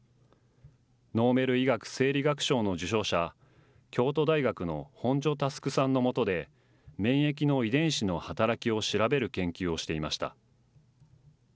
ノーベル医学・生理学賞の受賞者、京都大学の本庶佑さんの下で、免疫の遺伝子の働きを調べる研究をしていました。